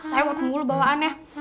sewat mulu bawaannya